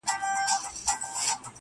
ګلسوم د نجونو نښه ده تل،